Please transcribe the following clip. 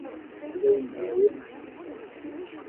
Ad awen-d-yawi adlis-nni.